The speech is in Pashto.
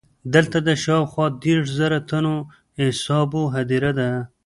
دلته د شاوخوا دېرش زره تنو اصحابو هدیره ده.